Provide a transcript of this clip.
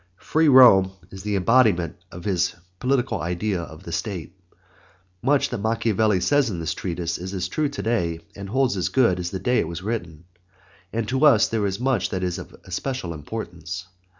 Free Rome is the embodiment of his political idea of the state. Much that Machiavelli says in this treatise is as true to day and holds as good as the day it was written. And to us there is much that is of especial importance.